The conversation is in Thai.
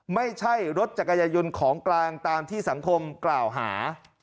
ไม่ใช่รถจักรยายนต์ของกลางตามที่สังคมกล่าวหา